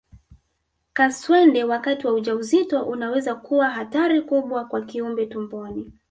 Kaswende wakati wa ujauzito unaweza kuwa hatari kubwa kwa kiumbe tumboni